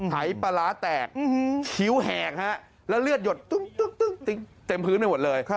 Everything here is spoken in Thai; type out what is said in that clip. ไหปลาแตกชิ้วแหกแล้วเลือดหยดเต็มพื้นไปหมดเลย